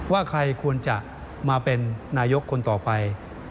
ว่าใครควรจะมาเป็นนายกคนต่อไป